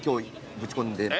ぶち込んでる？